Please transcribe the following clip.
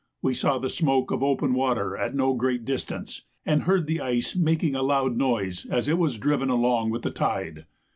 We saw the smoke of open water at no great distance, and heard the ice making a loud noise as it was driven along with the tide.